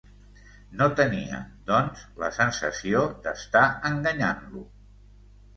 No tenia, doncs, la sensació d'estar enganyant-lo.